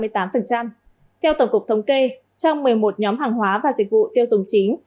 theo tổng cục thống kê trong một mươi một nhóm hàng hóa và dịch vụ tiêu dùng chính